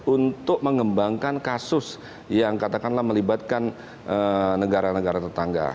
untuk mengembangkan kasus yang katakanlah melibatkan negara negara tetangga